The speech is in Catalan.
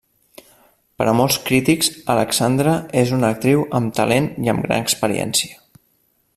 Per a molts crítics Alexandra és una actriu amb talent i amb gran experiència.